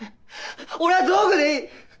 俺は道具でいい！